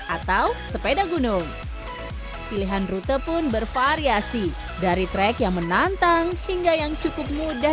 atau sepeda gunung pilihan rute pun bervariasi dari trek yang menantang hingga yang cukup mudah